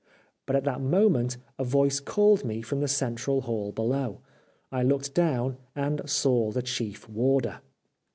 But at that moment a voice called me from the central hall below. I looked down, and saw the Chief Warder.